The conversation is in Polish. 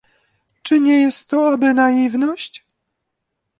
Czy nie jest to aby naiwność?